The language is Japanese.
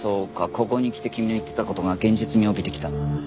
ここに来て君の言ってた事が現実味を帯びてきた。